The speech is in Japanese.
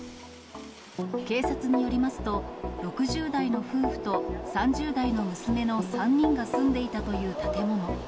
警察によりますと、６０代の夫婦と３０代の娘の３人が住んでいたという建物。